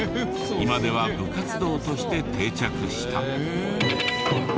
今では部活動として定着した。